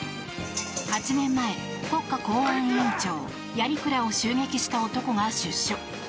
８年前、国家公安委員長鑓鞍を襲撃した男が出所。